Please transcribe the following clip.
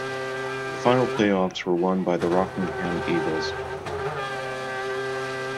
The final playoffs were won by the Rockingham Eagles.